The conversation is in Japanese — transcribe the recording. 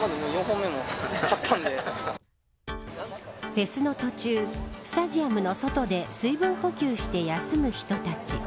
フェスの途中スタジアムの外で水分補給して休む人たち。